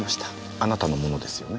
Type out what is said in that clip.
あなたのものですよね？